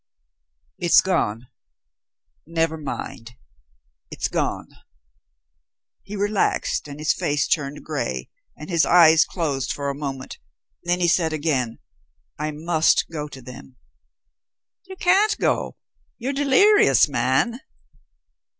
It's gone. Never mind, it's gone." He relaxed, and his face turned gray and his eyes closed for a moment, then he said again, "I must go to them." "You can't go. You're delirious, man."